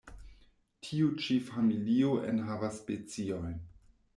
Tio ĉi familio enhavas speciojn.